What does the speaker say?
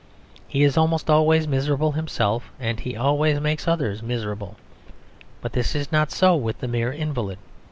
He is almost always miserable himself, and he always makes others miserable. But this is not so with the mere invalid.